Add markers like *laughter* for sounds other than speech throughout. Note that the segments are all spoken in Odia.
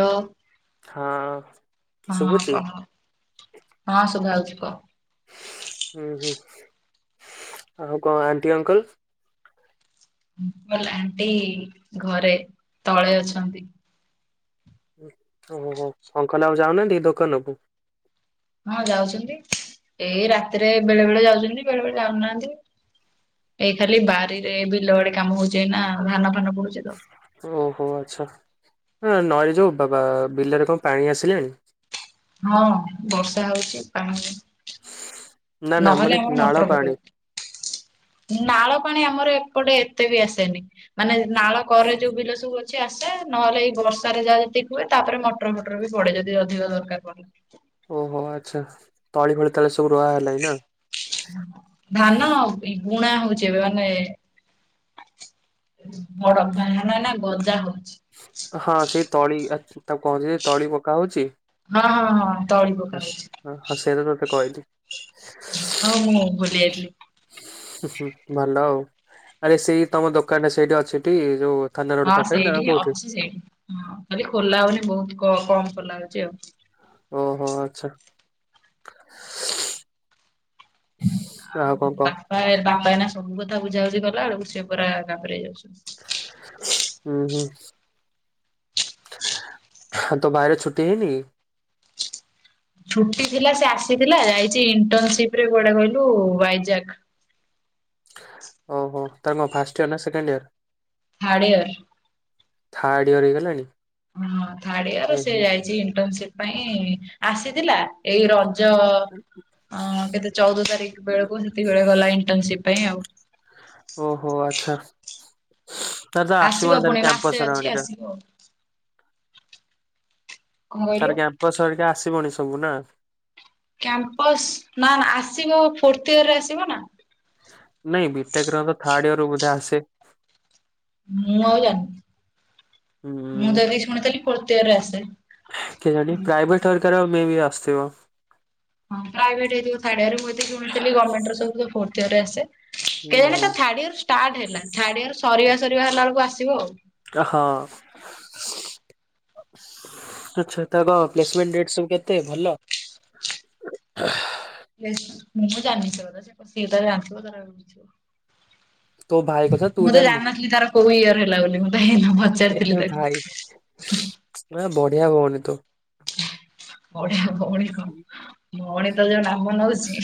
ହ୍ୟାଲୋ ହଁ ହଁ ଶୁଭୁଛି କହ ହଁ ସୁଭାଉଛି କୁହ। ଉଁ ହୁଁ ଆଉ କଣ ଆଣ୍ଟି ଅଙ୍କଲ? ଅଙ୍କଲ୍ ଆଣ୍ଟି ଘରେ ତଳେ ଅଛନ୍ତି। ଓହୋ ଅଙ୍କଲ ଆଉ ଯାଉନାହାନ୍ତି କି ଦୋକାନକୁ? ହଁ ଯାଉଛନ୍ତି ଏଇ ରାତିରେ ବେଳେ ବେଳେ ଯାଉଛନ୍ତି ବେଳେ ବେଳେ ଯାଉନାହାନ୍ତି। ଏଇ ଖାଲି ବାରିରେ ବିଲ ବାଡ଼ି କାମ ହଉଚି ଏଇନା ଧାନ ଫାନ ବୁଣୁଛି ତ। ଓହୋ ଆଚ୍ଛା ନଈରେ ଯୋଉ ବା-ବା ବିଲରେ କଣ ପାଣି ଆସିଲାଣି? ହଁ ବର୍ଷା ହଉଛି ପାଣି ନା ନା ମାନେ ନହେଲେ ଆମର ନାଳ ମଟର ପ ପାଣି ନାଳ ପାଣି ଆମର ଏପଟେ ଏତେ ବି ଆସେନି ମାନେ ନାଳ କରେ ଯୋଉ ବିଲ ସବୁ ଅ କିଛି ଆସେ ନହେଲେ ଏଇ ବର୍ଷାରେ ଯାହା ଯେତିକି ହୁଏ। ତାପରେ ମଟର ଫଟର ବି ପଡେ ଯଦି ଅଧିକ ଦରକାର ପଡେ। ଓହୋ ଆଚ୍ଛା ତଳି ଫଳି ତାହଲେ ସବୁ ରୁଆ ହେଲାଣି ନାଁ? ଧାନ ଆ ବୁଣା ହଉଛି ଏବେ ମାନେ ବଡ ବାନା ନା ନା ଗଜା ହଉଛି। ହଁ ସେଇ ତଳି ତାକୁ କହନ୍ତି ସେ ତଳି ପକା ହଉଛି। ହଁ ହଁ ହଁ। ତଳି ପକା ହଁ ହଉଛି। ସେ ହଁ ସେୟା ତତେ କହିଲି। ହଁ ମୁଁ ଉଁ ଭୁଲି ଯାଇଥିଲି। ହୁଁ ଭଲ ଆଉ ଆରେ ସେଇ ତମ ଦୋକାନଟା ସେଇଟି ଅଛିଟି ଯୋଉ ଥାନା ରୋଡ ହଁ ପାଖରେ ନା ସେଇଠିଁ ହିଁ କୋଉଠି? ଅଛି ସେଇଠି ହଁ ଖାଲି ଖୋଲା ହଉନି ବହୁତ କମ ଖୋଲା ହଉଛି ଆଉ। ଓହୋ ଆଚ୍ଛା। ଆଉ କଣ କହ? ବାବା ଏଇନ ସବୁ କଥା ବୁଝା ବୁଝି କଲା ବଳକୁ ସେ ଘାବେରେଇ ଯାଉଛନ୍ତି। ଉଁ ହୁଁ। ତୋ ଭାଇର ଛୁଟି ହେଇନି? ଛୁଟି ଥିଲା ସେ ଆସିଥିଲା ଯାଇଛି ଇଣ୍ଟର୍ନସିପ ରେ କୁଆଡେ କହିଲୁ ବାଇଜାକ୍। ଓହୋ ତାର କଣ ଫାଷ୍ଟ୍ ଇୟର ନା second year? Third year. Third year ହେଇଗଲାଣି? ହଁ ଥାର୍ଡ ଇୟର ହୁଁ ସେ ହୁଁ। ଯାଇଛି ଇଣ୍ଟର୍ନସିପ ପାଇଁ ଆସିଥିଲା। ଏଇ ରଜ ହଁ କେତେ ଚଉଦ ତାରିଖ ବେଳକୁ ସେତିକି ବଳେ ଗଲା ଇଣ୍ଟର୍ନସିପ୍ ପାଇଁ ଆଉ। ଓହୋ ଆଚ୍ଛା ତାର ତ ଆସିବ ଆସିବନ ତାହାଲେ ତା ପୁଣି ମାସେ କ୍ୟାମ୍ପସ ର ଅଛି ଅରିକା। ଆସିବ ଆଉ କଣ କହିଲୁ ତାର କ୍ୟାମ୍ପସ ସରିକା ଆସିବନି ସବୁ ନା? କ୍ୟାମ୍ପସ୍ ନା ନା ଆସିବ ଫୋର୍ଥ ଇୟରରେ ଆସିବ ନା। ନାଇଁ ବି ଟେକ୍ ର ତ ଥାର୍ଡ ଇୟର ରୁ ବୋଧେ ଆସେ? ମୁଁ ଆଉ ଜାଣିନି। ହୁଁ ଉଁ। ମୁଁ ଯଦି ଶୁଣିଥିଲି ଫ୍ରୋଥ୍ ୟର ଆସେ। କେ ଜାଣି ପ୍ରାଇଭେଟ ଘରିକାର ମେ ବି ଆସୁଥିବ। ହଁ ପ୍ରାଇଭେଟ ହେଇଥିବ ଥାର୍ଡ଼ ୟର୍ ମୁ ଏତିକି ଶୁଣିଥିଲି ଗମେଣ୍ଟର ସବୁ ତ ଫୋର୍ଥ ୟର୍ ରେ ଆସେ। ହୁଁ କେଜାଣି ହୁଁ। ଏଟା ଥାର୍ଡ ଇୟର ଷ୍ଟାର୍ଟ ହେଲା ଥାର୍ଡ ୟର୍ ସରିବା ସରିବା ହେଲା ବଳକୁ ଆସିବ ଆଉ ହଁ। ଆଛା ତା କଣ ପ୍ଲେସମେଣ୍ଟ ଡେଟ୍ ସବୁ କେତେ ଭଲ। ପ୍ଲେସ ମୁଁ ଜାଣିନି ସେ ଗୁରା ସିଏ ତାର ଜାଣିଥିବ ତାର କରିଥିବା। ତୋ ଭାଇ କଥା ତୁ ମୁଁ ତ ଜାଣିନୁ ଜାଣିନଥିଲି ତାର କୋଉ ଇୟର ହେଲା ବୋଲି ମୁଁ ତ ହେଇନ ପଚାରିଥିଲି ଏ ତାକୁ। ଭାଇ ନା ବଢିଆ ଭଉଣି ତୁ। ବଢିଆ ଭଉଣୀ କଣ? ଭଉଣୀ ତ ଯୋଉ ନାମ ନଉଛି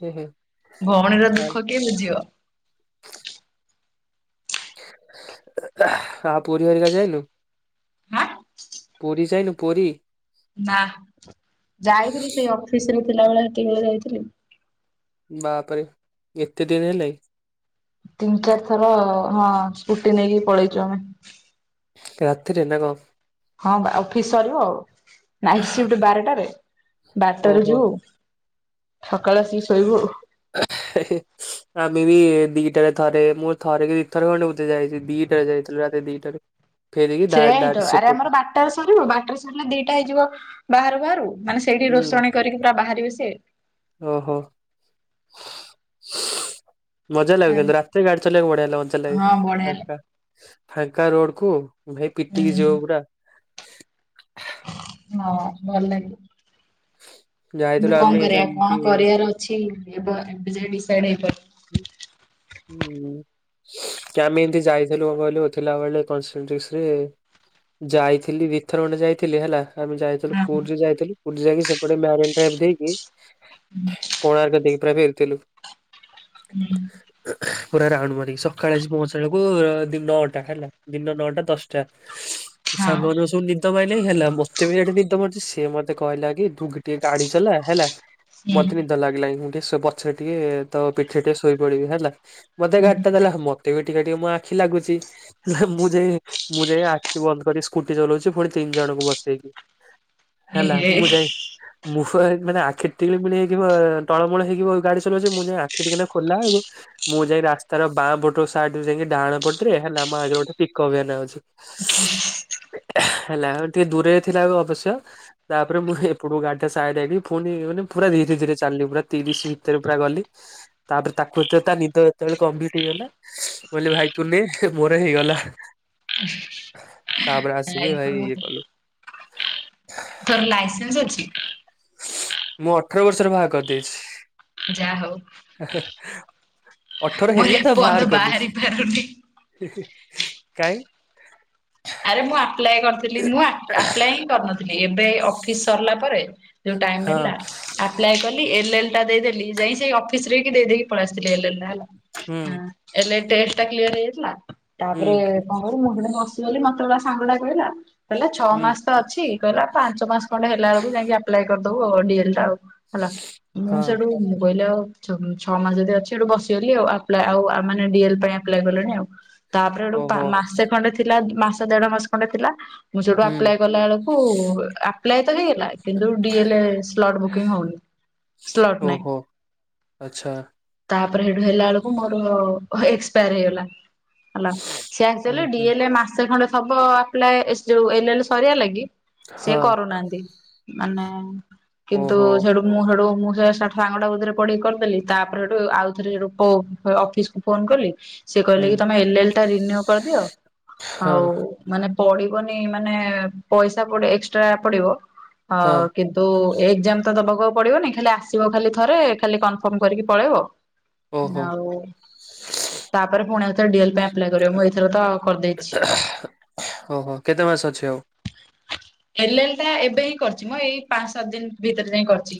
ହେ ହେ ଭଉଣୀର ଛାଡ। ଦୁଃଖ କିଏ ବୁଝିବ? ଆଉ ପୁରୀ ହରିକା ଯାଇନୁ। ହାଁ ପୁରୀ ଯାଇନୁ ପୁରୀ? ନା ଯାଇଥିଲି ସେଇ ଅଫିସ ରେ ଥିଲା ବଳେ ସେତେବେଳେ ଯାଇଥିଲି। ବାପ୍ ରେ ଏତେ ଦିନ୍ ହେଲାଇଁ ତିନ୍ ଚାରି ଥର ହଁ ସ୍କୁଟି ନେଇକି ପଳେଇଚୁ ଆମେ। ରାତିରେ ନା କଁ? ହଁ ବା ଅଫିସ୍ ସରିବ, ନାଇଟ୍ ସିଫ୍ଟ୍ ବାରଟାରେ ବାରଟାରେ ଓହୋ। ଯିବୁ। ସକାଳେ ଆସିକି ଶୋଇବୁ। *unintelligible* ଆମେ ବି ଦିଟାରେ ଥରେ ମୁଁ ଥରେ କି ଦିଥରେ ଖଣ୍ଡେ ବଧେ ଯାଇଚି ଦିଟାରେ ଯାଇଥିଲୁ ରାତି ଦିଟାରେ। ଫେରିକି ଦା ଦାଟ ସେପଟୁ ଟାରେ ସରିବ ବାର୍ଟାଟରେ ସରିଲେ ଦିଟା ହେଇଯିବ ବାହାରୁ ବାହାରୁ ମାନେ ସେଇଠି ହୁଁ ରୋଷଣୀ କରିକି ପୁରା ବାହାରିବେ ସିଏ। ଓହୋ। ମଜା ଲାଗେ କିନ୍ତୁ ରାତିରେ ଗାଡି ଚଲେଇବାକୁ ବଢଆଲା ମଜା ଲାଗେ ହଁ ବଢିଆ ଲାଗେ। ଫାଙ୍କା ଫାଙ୍କା ରୋଡ୍ କୁ ଭାଇ ପିଟିକି ଯିବ ହୁଁ ପୁରା ହଁ ଭଲ ଲାଗେ ଯାଇଥିଲୁ କିନ୍ତୁ କଣ ଆମେ କରିବା ସେମିତି କଣ କରିବାର ଅ ଛି ଏବ ଏବେ ଯାଏ ଡିସାଇଡ୍ ହେଇପାରୁ ହୁଁ *inaudible* ହୁଁ କି ଆମେ ଏମତି ଯାଇଥିଲୁ କହିଲୁ ଥିଲା ବେଳେ କଁସେଟିସିରେ। ଯାଇଥିଲି ଦିଥର ଖଣ୍ଡେ ଯାଇଥିଲି ହେଲା ଆମେ ଯାଇଥିଲୁ ହଁ ପୁରୀ ଯାଇଥିଲୁ। ପୁର ଯାଇଁକି ସେପଟେ ମ୍ୟାରେନ୍ ଡ୍ରାଇଭ୍ ଦେଇକି ହୁଁ କୋଣାର୍କ ଦେଇକି ପୁରା ଫେରିଥିଲୁ। ହୁଁ। ପୁରା ରାଉଣ୍ଡ୍ ମାରିକି ସଖାଳେ ଆସି ପହଞ୍ଚିଳାକୁ ଦି ନଅଟା ହେଲା ଦିନ ନଅଟା ଦଶଟା। ହଁ ସାଙ୍ଗ ମାନଙ୍କୁ ସବୁ ନିଦ ମାଇଲାଇଁ ହେଲା ମତେ ବି ସେଠି ନିଦ ମାଡୁଚି ସିଏ ମତେ କହିଲା କି ଦୁ ଟିକେ ଗାଡି ଚଲା ହେଲା ହୁଁ ମତେ ନିଦ ଲାଗିଲା ଇଁ ଟିକେ ସୋ ପଛରେ ଟିକେ ତୋ ପିଠିରେ ଟିକେ ଶୋଇ ପଡିବି ହେଲା ମୋତେ ହୁଁ ଗାଡିଟା ଦେଲା ମତେ ବି ଟିକେ ଟିକେ ମୋ ଆଖି ଲାଗୁଚି। ମୁଁ ଯାଇ ମୁଁ ଯାଇ ଆଖି ବନ୍ଦ କରି ସ୍କୁଟି ଚଲୋଉଚି ପୁଣି ତିନି ଜଣଙ୍କୁ ବସେଇକି। ହେଲା ଏହେ ମୁଁ ଯାଇ ମୁଁ ମାନେ ଆଖି ଟିଳିମିଳି ହେଇକି ଟଳମଳ ହେଇକି ଗାଡି ଚଲୋଉଚି ମୁଁ ଯା ସେଠିକିନା ଖୋଲା ଆଉ ମୁଁ ଯାଇ ରାସ୍ତାର ବାଁ ପଟ ସାଇଡରେ ଯାଇକି ଡାହାଣ ପଟରେ ହେଲା ମୋ ଆଗରେ ଗୋଟେ ପିକଅପ୍ ଭ୍ୟାନ ଅଛି। *unintelligible* ହେଲା ଟିକେ ଦୂରରେ ଥିଲା ଅବଶ୍ୟ। ତାପରେ ମୁଁ ଏପଟକୁ ଗାଡି ଟା ସାଇଡ ଆଇଁଲି ଫୁଣି ମାନେ ପୁରା ଧୀରେ ଧୀରେ ଚାଲଲିି ପୁରା ତିରିଶ ଭିତରେ ପୁରା ଗଲି। ତାପରେ ତାକୁ ଏତ ତା ନିଦ ଯେତେବେଳେ କମ୍ପ୍ଲିଟ୍ ହେଇଗଲା ବ ଭାଇ ତୁନେ ମୋର ହେଇଗଲା। ତାପରେ ଏଇ ଆସିକି ଭାଇ ଇଏ କଲୁ। ତୋର ଲାଇସେନ୍ସ୍ ଅଛି? ମୁଁ ଅଠର ବର୍ଷର ବାହାର୍ କରିଦେଇଛି। ଯା ହୋଉ। ଅଠର ହେଲା ତ ଭାଆର ଏପର୍ଯ୍ୟନ୍ତ କଲି। ବାହାରି ପାରୁନି। କାଇଁ ଆରେ ମୁଁ ଆପ୍ଲାଏ କରିଥିଲି ମୁଁ ଆ ଆପ୍ଲାଏ ହିଁ କରିନଥିଲି ଏବେ ଅଫିସ୍ ସରିଲା ପରେ ଯୋଉ ଟାଇମ ମିଳିଲା ହଁ। ଆପ୍ଲାଏ କଲି ଏଲ୍ ଏଲ୍ ଟା ଦେଇଦେଲି ଯାଇଁ ସେଇ ଅଫିସ ରେକି ଦେଇକି ପଳେଇସିଲି ଏଲ୍ଏଲ୍। ହେଲା ହୁଁ ଆଁ ଏଲେ ଟେଷ୍ଟ୍ ଟା କ୍ଲିଅର୍ ହେଇଯାଇଥିଲା ହୁଁ ତାପରେ କଁ କଇଲୁ ମୁଁ ଗୋଟେ ହ ମତେ ସାଙ୍ଗଟା କହିଲା କହିଲା ଛଅ ହୁଁ ମାସ ତ ଅଛି କଇଲା ପାଞ୍ଚ ମାସ୍ କଣ୍ଡେ ହେଲା ବେଳକୁ ଯାଇକି ଆପ୍ଲାଏ କରିଦବୁ ଡି ଏଲ୍ ଟା ଆଉ ହେଲା, ମୁଁ ହଁ ସେଇଠୁ ମୁଁ କହିଲି ଆଉ ଛଅ ମାସ ଯଦି ଅଛି ହେଠୁ ବସିଗଲି ଆଉ, ଆପ୍ଲା ଆଉ ଡିଏଲ ପାଇଁ ଆପ୍ଲାଏ କଲିନି ଆଉ। ତାପରେ ହେଟୁ ଓହୋ ମାସେ ଖଣ୍ଡେ ଥିଲା ମାସେ ଦେଢ ମାସେ ଖଣ୍ଡେ ଥିଲା ମୁଁ ସେଠୁ ହୁଁ ଆପ୍ଲାଏ କଲା ବେଳକୁ ଆପ୍ଲାଏ ତ ହେଇଗଲା କିନ୍ତୁ ଡ଼ିଏଲ ଏ ସ୍ଲଟ୍ ବୁକିଂ ହୋଉନି। ଓହୋ ଆଚ୍ଛା। ତାପରେ ହେଟୁ ହେଲା ବେଳକୁ ମୋର ଏକ୍ସପାୟାର ହେଇଗଲା ହେଲା ସିଏ ହୁଁ ଆକ୍ଚୁଲି ହୁଁ ଡିଏ ମାସେ ଖଣ୍ଡେ ଥବ ଆପ୍ଲାଏ ଯୋଉ ଏଲ୍ ଏଲ୍ ସରିିବା ଲାଗି ସେ ହଁ କରୁନାହାନ୍ତି। ମାନେ କିନ୍ତୁ ଓହୋ ସେୁ ମୁଁ ସେଠୁ ମୁଁ ସେ ଷ ସାଙ୍ଗଟା କତିରେ ପଢ଼ି କଲକଲି ତାପରେ ସେଠୁ ଆଉ ଥରେ ଅଫିସ ଫୋନ କଲି ସେ କହିଲେ ହୁଁ କି ତମେ ଏଲ ଏଲ ଟା ରିନୁ କରିଦିଅ ଆଉ ହଁ ମାନେ ପଡିବନି ମାନେ ପଇସା ପଡେ ପଇସା ଏକ୍ସଟ୍ରା ପଡିବ ଅ ହଁ କିନ୍ତୁ ତ ଏକ୍ଜାମ ତ ଦବାକୁ ଆଉ ପଡିବନି ଖାଲି ଆସିବ ଖାଲି ଥରେ ଖାଲି କନଫର୍ମ କରିକି ପଳେଇବ। ଓହୋ ଆଉ ତାପରେ ପୁଣି ଏଥରେ ଡିଏଲ ପାଇଁ ଆପ୍ଲାଏ କର ମୁଁ ଏଥର ତ କରିଦେଇଛି ଓହୋ କେତେ ମାସ ଅଛି ଆଉ? ଏଲ ଏଲ ଟା ଏବେ ହିଁ କରିଛି ମ ଏଇ ପାଁ ସାତ ଦିନ ଭିତରେ ଯାଇଁ କରିଛି।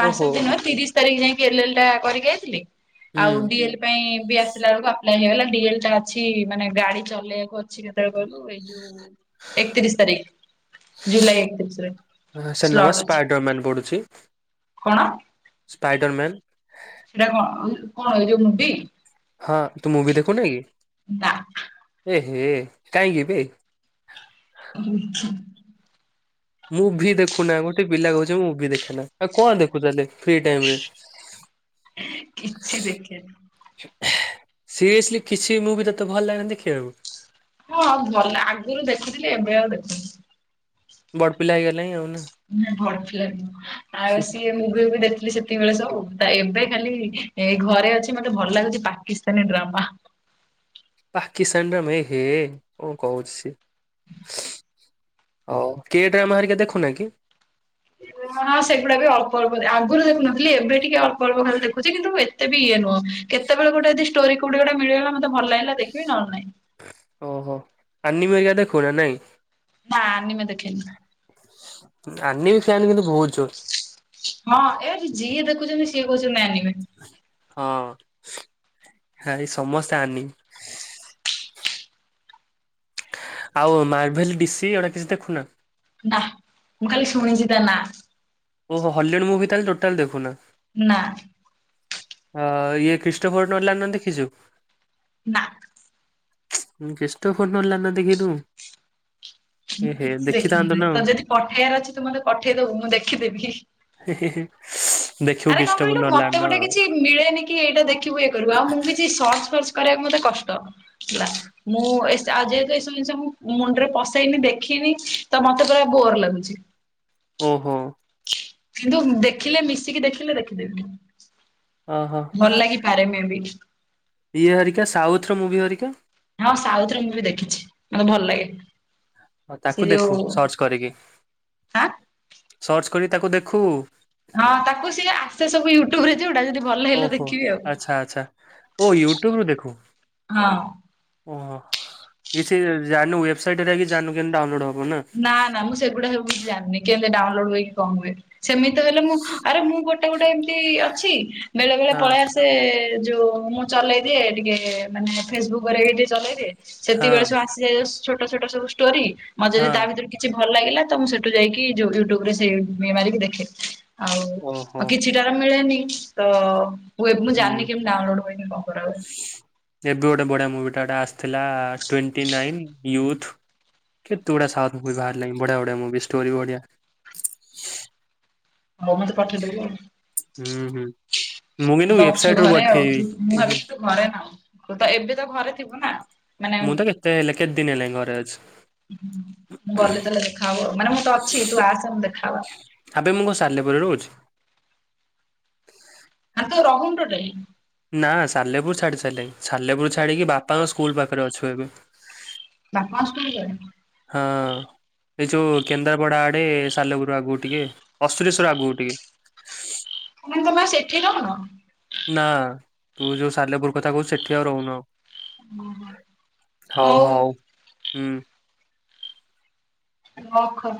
ପାଞ୍ଚ ଓହୋ ଦିନ ତିରିଶ ତାରିଖ ଯାଇକି ଏଲ ଟା କରିକି ଯାଇଥିଲଥିଲେ ହୁଁ ଆଉ ଡିଏଲ ପାଇଁ ବି ଆସିଲା ବେଳକୁ ଆପ୍ଲାଏ ହେଇଗଲା ଡିଏଲ ଟା ଅଛି ମାନେ ଗାଡି ଚଲେଇଆକୁ ମୁଁ ଅଛି କେତେବେଳେ କହିଲୁ ଏଇ ଯୋଉ ଏକତିରିଶ ତାରିଖ। ଜୁଲାଇ ଏକତିରିଶରେ ସେ ନବା ସ୍ଲଟ ଅଛି ସ୍ପାଇଡର ମ୍ୟାନ୍ ପଡୁଛି କଣ ସ୍ପାଇଡର ମ୍ୟାନ୍ ସେଇଟା କଣ କଣ ଏ ଯୋଉ ମୁଣ୍ଡି। ହଁ ତୁ ମୁଭି ଦେଖୁନ କି ନାଁ ଆ। କାହିଁକି ଭାଇ ଓଛା ମୁଭିି ଦେଖୁନା ଗୋଟେ ପିଲା କହୁଛି ମୁଭି ଦେଖେ ନା ଆଉ କଣ ଦେଖୁ ତାହେଲେ? ଫ୍ରି ଟାଇମ ରେ କିଛି ଦେଖେନି। ସିରିଅସଲି କିଛି ମୁଭି ତତେ ଭଲ ଲାଗନି ଦେଖିବାକୁ ହଁ ଭଲ ଆଗରୁ ଦେଖୁଥିଲି ଏବେଆଉ ଦେଖୁଥିଲି ବଡ଼ ପିଲା ହେଇଗଲାଣିି ଆଉନ ଭଲ ଆଉ ସିଏ ମୁଭି ଦେଖିଲି ସେ ସେତିକି ବେଳେ ସବୁ ତା ଏବେ ଖାଲି ଏ ଘରେ ଅଛି ମତେ ଭଲ ଲାଗୁଛି ପାକିସ୍ତାନୀ ଡ୍ରାମା। ପାକିସ୍ତାନରେ ଏହେ କଣ କହୁଛି ସେ? ହଉ କେଡ୍ରେ ଆମ ହରିକା ଦେଖୁନା କି ହଁ ସେଗୁଡା ବି ଅଳ୍ପ ଅଳ୍ପ ଆଗରୁ ଦେଖୁନଥିଲ ଏବେ ଟିକେ ଅଳ୍ପ ଅଳ୍ପ ଖଲି ଦେଖୁଛି କିନ୍ତୁ ଏତେ ଇଏ ନୁହଁ କେତେବେଳେ ଗୋଟେ ଯଦି ଷ୍ଟୋରୀ କୋଉଠି ଗୋଟେ ମିଳିଗଲା ମତେ ଭଲ ଲାଗିଲା ଦେଖିବି ନ ହେଲେ ନାହିଁ। ଓହୋ ଆ ମିରଗା ଦେଖୁନା ନହିଁ ହଁ ନିମ ଦେଖିଲ ଅନ୍ୟ ବି ଫାନ୍ କିନ୍ତୁ କହୁଚୁ ହଁ ଏଠି ଯିଏ ଦେଖୁଛନ୍ତି ସିଏ କହୁଛନ୍ତି ନାଇ ନ ହଁ ଏଇ ସମସ୍ତେ ଆନି ଆଉ ମାର୍ଭେଲ ଡିସିି ଏଗୁଡା କିଛି ଦେଖୁନା? ନା ମୁଁ ଖାଲି ଶୁଣିଛିଦ ନା ଓ ହଲେଣ୍ଡ ମୁଭି ତାଲେ ଟୋଟାଲ୍ ଦେଖୁ ନା? ନାଁ। ହଁ ଇଏ ଖ୍ରୀଷ୍ଟୋଫୋର୍ ନଲ ନ ଦେଖିଛୁ। ନା ଚଷ୍ଟ ଫୋଟିଲ ନା ଦେଖିରୁୁ ମୁଁ କିଛି ଦେଖିନି ନା ଆଉ। ତ ଯଦି ପଠେଇବାର ଅଛି ତୁ ମତେ ପଠେଇଦବୁ ମୁଁ ଦେଖିଦେବି ଦେଖିବୁ ଆରେ କଣ କିଷ୍ଟବ କହିଲୁ ନ ଲ ମତେ ନ ଗୋଟେ କିଛି ମିଳେନି କି ଏଇଟା ଦେଖିବୁ ଇଏ କରିବୁ ଆଉ ମୁଁ କିଛି ସର୍ଚ୍ଚ ଫର୍ଚ କରିବାକୁ ମତେ କଷ୍ଟବ ହେଲା ମୁଁ ଏ ଆ *inaudible* ସେ ମୁଣ୍ଡରେ ପସେଇନି ଦେଖିନି ତ ମତେ ପୁରା ବୋର ଲାଗୁଛି। ଓ ହୋ କିନ୍ତୁ ଦେଖିଲେ ମିଶିକି ଦେଖିଲେ ଦେଖିଦେବି ଓହୋ ଭଲ ଲାଗି ଘରେମ ବି ଇଏ ହରିକା ସାଉଥର ମୁଭି ହରିକା ହଁ ସାଉଥ୍ ର ମୁଭି ଦେଖିଚି, ମତେ ଭଲ ଲାଗେ। ସେ ତାକୁ ଯୋଉ ଦେଖୁ ସର୍ଚ୍ଚ କରିକି। ଆଁ ସର୍ଚ୍ଚ କରିକି ତାକୁ ଦେଖୁ। ହଁ ତାକୁ ସିଏ ଆ ସେ ସବୁ ୟୁଟ୍ୟୁବରେ ଯଉଡା ଯଦି ଭଲ ଲାଗିଲା ଓହୋ ଦେଖିବି ଆଉ। ଆଚ୍ଛା ଆଚ୍ଛା। ଓ ହଁ। ଓ କିଛି ଜାଣିନୁ ୱେବସାଇଟ୍ ହେରା କିଛି ଜାଣିନୁ କେମତି ଡାଉନଲୋଡ୍ ହବ ନା? ନା ନା ମୁଁ ସେଗୁଡା ସବୁ କିଛି ଜାଣିନି। କେନ୍ତି ଡାଉନଲୋଡ୍ ହୁଏ କି କଣ ହୁଏ। ସେମିତି ହେଲେ ମୁଁ ଆରେ ମୁଁ ଗୋ ଗୋଟେ ଗୋଟେ ଏମତି ଅଛି, ବେଳେ ବେଳେ ହଁ ପଳେଇ ଆସ ସେ ଯୋଉ ମୁଁ ଚଲେଇ ଦିଏ ଟିକେ ମାନେ ଫେସବୁକ୍ ହେରିକା ଟିକେ ଚଲେଇଦିଏ। ହଁ ସେତିକିବେଳେ ସବୁ ଆସିଯାଏ ଛୋଟ ଛୋଟ ସବୁ ଷ୍ଟୋରି। ମଝି ହଁ ସେଥିରୁ କିଛି ଭଲ ଲାଗିଲା ତ ମୁଁ ସେଠୁ ଯାଇକି ଯୋଉ ୟୁଟୁବ୍ ରେ ସେ ଇଏ ମାରିକି ଦେଖେ। ଆଉ ଓହୋ। ଆଉ କିଛିଟାର ମିଳେନି। ତ ମୁଁ ହୁଁ ଜାଣିନି କେମତି ଡାଉନଲୋଡ୍ ହୁଏ କି କଣ କରା ହୁଏ। ଏବେ ଗୋଟେ ବଢିଆ ମୁଭିଟା ଟା ଆସିଥିଲା ଟ୍ଵେଣ୍ଟି ନାଇନ୍ ୟୁଥ୍। କେତେ ଗୁଡା ସାଉଥ୍ ମୁଭି ବାହାରିିଲାଣି ବଢିଆ ବଢିଆ ମୁଭି ଷ୍ଟୋରି ବଢିଆ। ହଉ ମୋତେ ପଠେଇଦବୁ ଆଉ। ହୁଁ ହୁଁ। ମୁଁ କିନ୍ତୁ ତ ଅଛୁ ୱେବସାଇଟ୍ ରୁ ଘରେ ଆଉ ତୁ ମୁଁ ପଠେଇବି। ଭାବିଛି ତୁ ଘରେ ନାହୁଁ। ତୁ ତ ଏବେ ତ ଘରେ ଥିବୁ ନା? ମାନେ ମୁଁ ତ କେତେ ହେଲେ କେତେ ଦିନ ହେଲାଣି ଘରେ ଅଛି। ମୁଁ ଗଲେ ତାହେଲେ ଦେଖା ହବ ଆଉ। ମାନେ ମୁଁ ତ ଅଛି ତୁ ଆସେ ଆମେ ଦେଖା ହବା। ଆବେ ମୁଁ କଣ ସାଲେପୁର ରେ ରହୁଚି? ଆବେ ରହୁନୁ ଟୋଟାଲି। ନା ସାଲେପୁର ଛାଡ଼ି ସାରିଲେଣି। ସାଲେପୁର ଛାଡିକି ବାପାଙ୍କ ସ୍କୁଲ ପାଖରେ ଅଛୁ ଏବେ। ବାପା ଙ୍କ ସ୍କୁଲ୍। *unintelligible* ହଁ। ଏଇ ଯୋଉ କେନ୍ଦ୍ରାପଡା ଆଡେ ସାଲେପୁରୁ ଆଗକୁ ଟିକେ ପଶ୍ଚିମେଶ୍ଵର ଆଗକୁ ଟିକେ। କଣ ତମେ ଆଉ ସେଠି ରହୁନ? ନା। ତୁ ଯୋଉ ସାଲେପୁର କଥା କହୁଚୁ ସେଠି ଆଉ ରହୁନୁ ଆଉ। ହଉ ଓହୋ ହୁଁ। ରଖ।